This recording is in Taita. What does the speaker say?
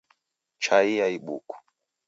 Chai ya ibuku